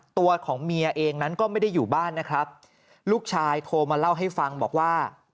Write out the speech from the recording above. ตัวของเมียเองนั้นก็ไม่ได้อยู่บ้านนะครับลูกชายโทรมาเล่าให้ฟังบอกว่า